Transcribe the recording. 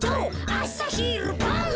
あさひるばん」